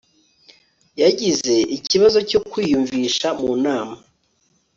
yagize ikibazo cyo kwiyumvisha mu nama